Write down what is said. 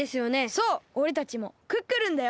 そうおれたちもクックルンだよ。